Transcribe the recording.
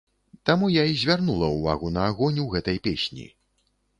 Таму я і звярнула ўвагу на агонь у гэтай песні.